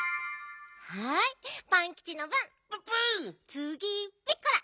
つぎピッコラ！